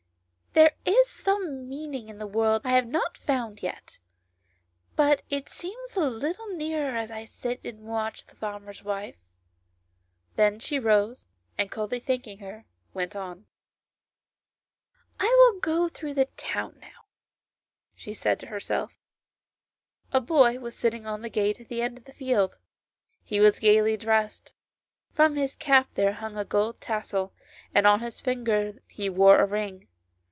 " There is some meaning in the world I have not found yet, but it seems a little nearer as I sit and watch the farmer's wife." Then she rose, and, coldly thanking her, went on. "I will go through the town now," she said to herself. A boy was sitting on the gate at the end of ' the field. He was gaily dressed : from his cap there hung a gold tassel, and on his finger he wore a ring.